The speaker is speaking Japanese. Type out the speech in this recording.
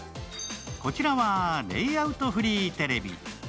こちらはレイアウトフリーテレビ。